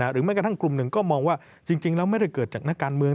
แม้กระทั่งกลุ่มหนึ่งก็มองว่าจริงแล้วไม่ได้เกิดจากนักการเมือง